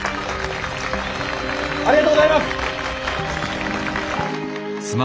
ありがとうございます！